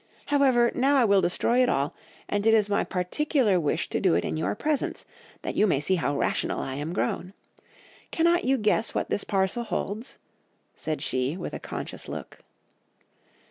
However, now I will destroy it all, and it is my particular wish to do it in your presence, that you may see how rational I am grown. Cannot you guess what this parcel holds?' said she with a conscious look.